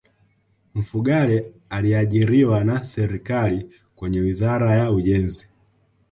mfugale aliajiriwa na serikali kwenye wizara ya ujenzi